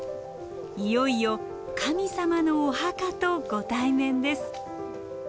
いよいよ神様のお墓とご対面です。